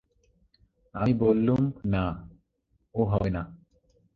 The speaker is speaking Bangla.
আমি বললুম, না, ও হবে না।